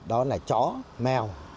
đó là chó mèo